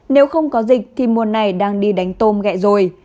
nếu không có dịch thì mùa này đang đi đánh tôm gẹ rồi